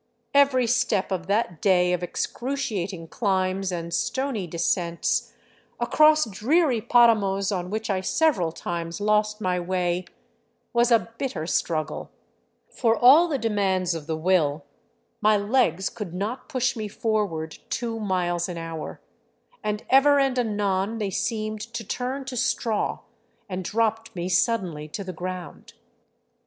Every step of that day of excruciating climbs and stony descents, across dreary paramos on which I several times lost my way, was a bitter struggle ; for all the demands of the will, my legs could not push me forward two miles an hour, and ever and anon they seemed to turn to straw and dropped me suddenly to the ground.